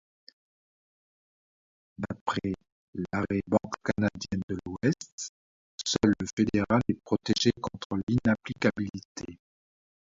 D'après l'arrêt Banque canadienne de l’Ouest, seul le fédéral est protégé contre l’inapplicabilité.